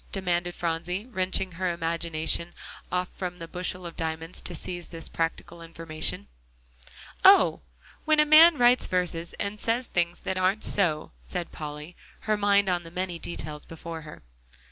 demanded Phronsie, wrenching her imagination off from the bushel of diamonds to seize practical information. "Oh! when a man writes verses and says things that aren't so," said Polly, her mind on the many details before her.